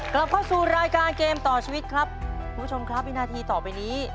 กลับเข้าสู่รายการเกมต่อชีวิตครับคุณผู้ชมครับวินาทีต่อไปนี้